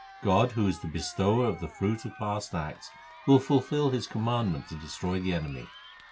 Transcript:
God, who is the Bestower of the fruit of past acts, will fulfil His commandment to destroy the enemy.